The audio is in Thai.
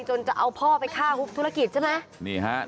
จะเอาพ่อไปฆ่าฮุบธุรกิจใช่ไหม